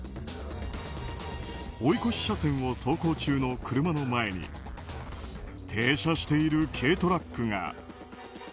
追い越し車線を走行中の車の前に停車している軽トラックが。